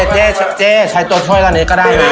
เจ๊ใช้ตัวช่วยตอนนี้ก็ได้นะ